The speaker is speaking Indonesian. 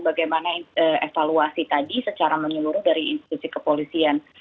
bagaimana evaluasi tadi secara menyeluruh dari institusi kepolisian